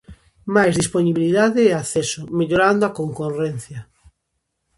Máis dispoñibilidade e acceso, mellorando a concorrencia.